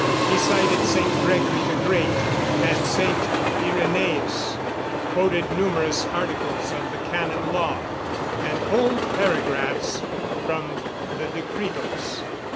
He cited St. Gregory the Great and St. Irenæus, quoted numerous articles of the Canon Law and whole paragraphs from the Decretals.